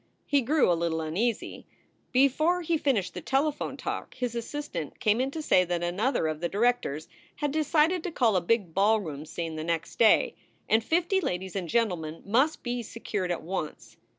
He grew a little uneasy. Before he finished the telephone talk, his assistant came in to say that another of the direc tors had decided to call a big ballroom scene the next day, and fifty ladies and gentlemen must be secured at once.